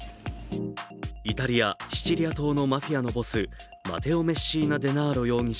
イタリア・シチリア島のマフィアのボス、マテオ・メッシーナ・デナーロ容疑者